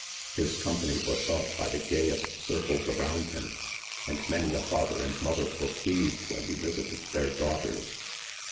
His company was sought by the gayest circles around him ; and many a father and mother were pleased when lie visited their/ daughters